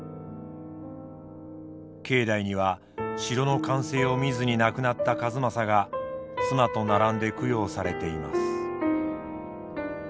境内には城の完成を見ずに亡くなった数正が妻と並んで供養されています。